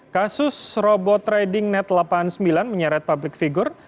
kasus robot trading net delapan puluh sembilan menyeret publik figur